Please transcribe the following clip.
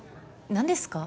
何ですか？